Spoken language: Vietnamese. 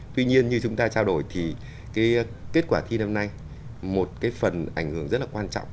tuy nhiên như chúng ta trao đổi thì cái kết quả thi năm nay một cái phần ảnh hưởng rất là quan trọng